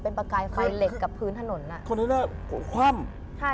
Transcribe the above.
เป็นปากไกลไฟเหล็กกับพื้นถนนอะค่ะ